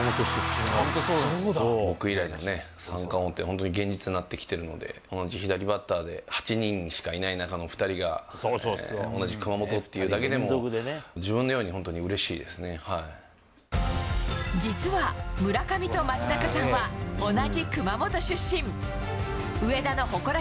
僕以来の三冠王って、本当に現実になってきてるので、同じ左バッターで、８人しかいない中の２人が同じ熊本っていうだけでも、自分のよう実は、村上と松中さんは同じ熊本出身。